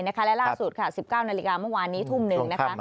และล่าสุดค่ะ๑๙นาฬิกาเมื่อวานนี้ทุ่มหนึ่งนะคะ